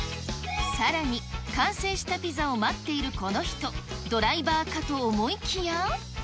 さらに、完成したピザを待っているこの人、ドライバーかと思いきや。